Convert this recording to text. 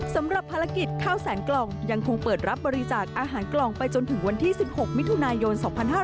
สำหรับภารกิจข้าวแสนกล่องยังคงเปิดรับบริจาคอาหารกล่องไปจนถึงวันที่๑๖มิถุนายน๒๕๕๙